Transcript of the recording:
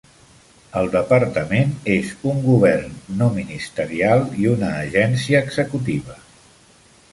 El departament és un govern no ministerial i una agència executiva.